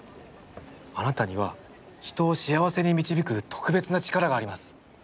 あなたには人を幸せに導く特別な力があります。